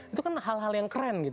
itu kan hal hal yang keren gitu